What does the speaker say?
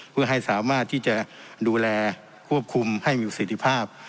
เพื่อให้สามารถที่จะดูแลควบคุมให้มีประสิทธิภาพ